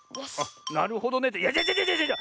なるほどね。っていやちがうちがうちがう！